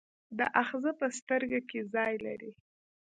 دا آخذه په سترګه کې ځای لري.